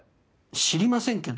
知りませんけど。